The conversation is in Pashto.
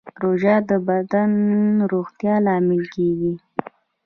روژه د بدن د روغتیا لامل کېږي.